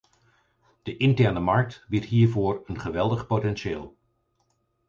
De interne markt biedt hiervoor een geweldig potentieel.